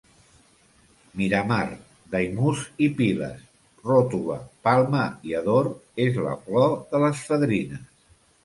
Miramar, Daimús i Piles, Ròtova, Palma i Ador és la flor de les fadrines.